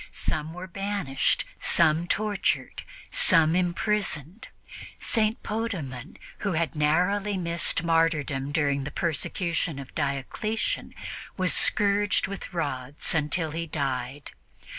Some were banished, some tortured, some imprisoned. St. Potamon, who had narrowly missed martyrdom during the persecution of Diocletian, was scourged with rods until he died.